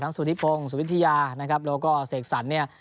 สุธิพงศ์สุวิทยานะครับแล้วก็เสกสรรเนี่ย